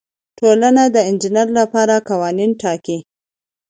ټولنه د انجینر لپاره قوانین ټاکي.